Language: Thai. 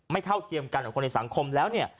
เท่าเทียมกันกับคนในสังคมแล้วเนี่ย